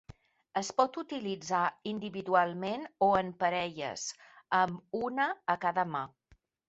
Es pot utilitzar individualment o en parelles, amb una a cada mà.